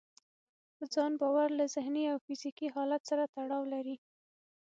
په ځان باور له ذهني او فزيکي حالت سره تړاو لري.